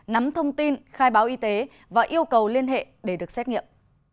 nắm thông tin khai báo y tế và yêu cầu liên hệ để được xét nghiệm